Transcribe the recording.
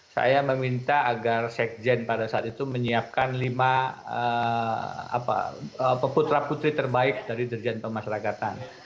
saya meminta agar sekjen pada saat itu menyiapkan lima peputra putri terbaik dari dirjen pemasyarakatan